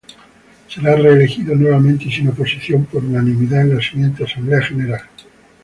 Será reelegido nuevamente y sin oposición por unanimidad en la siguiente asamblea general.